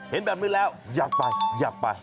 เห็นแบบนี้แล้วอยากไปอยากไป